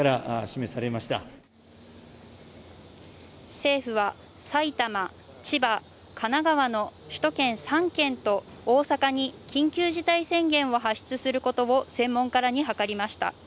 政府は埼玉、千葉、神奈川の首都圏３県と大阪に緊急事態宣言を発出することを専門家らに諮りました。